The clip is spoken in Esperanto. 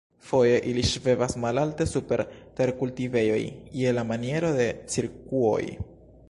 Foje ili ŝvebas malalte super terkultivejoj je la maniero de cirkuoj.